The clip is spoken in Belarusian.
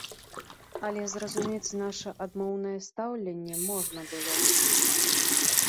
Але зразумець наша адмоўнае стаўленне можна было.